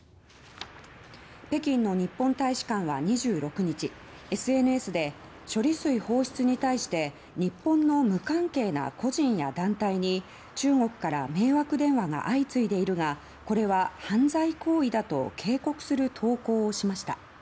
北京の日本大使館は２６日ＳＮＳで処理水放出に対して日本の無関係な個人や団体に中国から迷惑電話が相次いでいるがこれは犯罪行為だと警告する投稿をしました。